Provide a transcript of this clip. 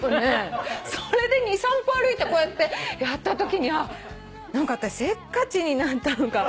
それで２３歩歩いてこうやってやったときに何かあたしせっかちになったのか。